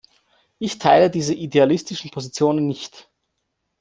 Ich teile diese idealistischen Positionen nicht.